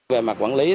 về mặt quản lý